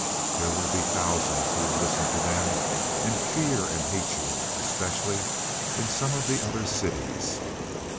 There will be thousands who will listen to them and fear and hate you especially in some of the other cities."